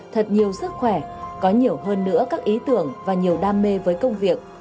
thật nhiều sức khỏe có nhiều hơn nữa các ý tưởng và nhiều đam mê với công việc